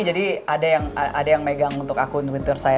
jadi ada yang megang untuk akun twitter saya